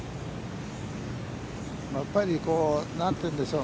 やっぱりなんていうんでしょう。